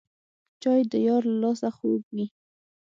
چای د یار له لاسه خوږ وي